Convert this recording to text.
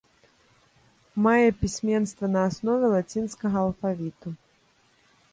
Мае пісьменства на аснове лацінскага алфавіту.